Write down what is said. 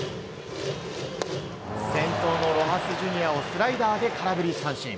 先頭のロハス・ジュニアをスライダーで空振り三振。